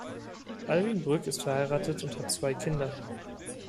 Alwin Brück ist verheiratet und hat zwei Kinder.